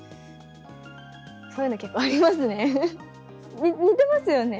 そういうの、結構ありますね。